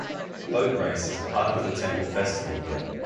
Boat race is part of the temple festival here.